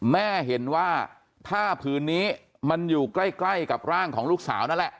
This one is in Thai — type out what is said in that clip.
แม่เห็นว่าผ้าผืนนี้มันอยู่ใกล้กับร่างของลูกสาวนั่นแหละ